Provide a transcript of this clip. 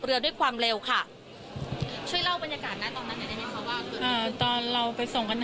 พูดสิทธิ์ข่าวธรรมดาทีวีรายงานสดจากโรงพยาบาลพระนครศรีอยุธยาครับ